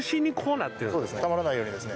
たまらないようにですね。